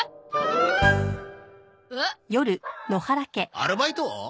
アルバイト？